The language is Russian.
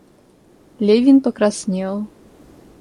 Левин покраснел.